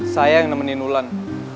saya yang nemenin ulan